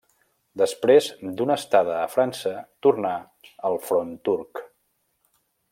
Després d'una estada a França tornà al front turc.